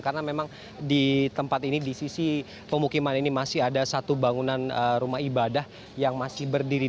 karena memang di tempat ini di sisi pemukiman ini masih ada satu bangunan rumah ibadah yang masih berdiri